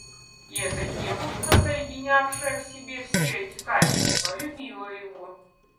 И эта девушка, соединявшая в себе все эти качества, любила его.